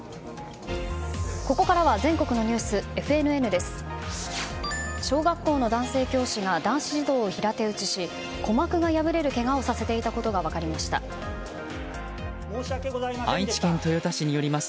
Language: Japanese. ここからは全国のニュースＦＮＮです。